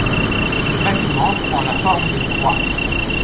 Le bâtiment prend la forme d'une croix.